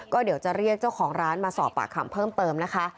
ก็เดี๋ยวจะเรียกเจ้าของร้านมาสอบปากคำเพิ่มเติมนะคะ